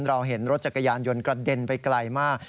เราเห็นรถจักรยานยนต์กระเด็นไปไกลมาก